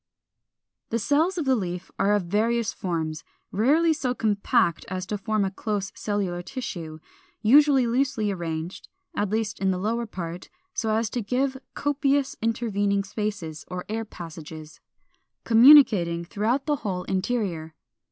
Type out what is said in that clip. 440. The cells of the leaf are of various forms, rarely so compact as to form a close cellular tissue, usually loosely arranged, at least in the lower part, so as to give copious intervening spaces or air passages, communicating throughout the whole interior (Fig.